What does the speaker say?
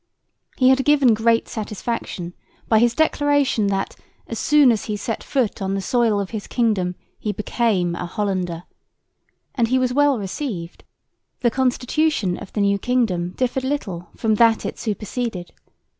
He had given great satisfaction by his declaration that "as soon as he set foot on the soil of his kingdom he became a Hollander," and he was well received. The constitution of the new kingdom differed little from that it superseded.